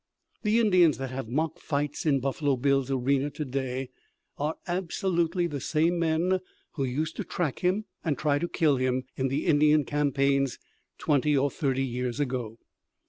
The Indians that have mock fights in Buffalo Bill's arena to day are absolutely the same men who used to track him and try to kill him in the Indian campaigns twenty or thirty years ago.